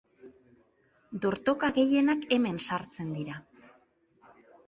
Dortoka gehienak hemen sartzen dira.